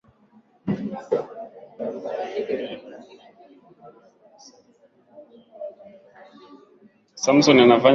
Raisi wetu ni mzuri.